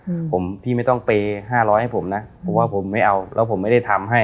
อืมผมพี่ไม่ต้องเปย์ห้าร้อยให้ผมนะผมว่าผมไม่เอาแล้วผมไม่ได้ทำให้